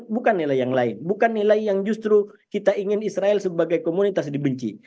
bukan nilai yang lain bukan nilai yang justru kita ingin israel sebagai komunitas dibenci